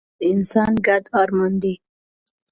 سوله د انسان ګډ ارمان دی